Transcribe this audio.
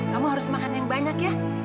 kamu harus makan yang banyak ya